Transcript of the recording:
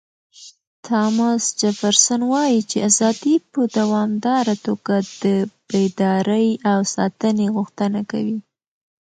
تاماس جفرسن وایي چې ازادي په دوامداره توګه د بیدارۍ او ساتنې غوښتنه کوي.